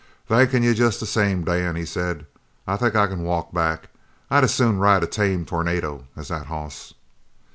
"Thankin' you jest the same, Dan," he said, "I think I c'n walk back. I'd as soon ride a tame tornado as that hoss."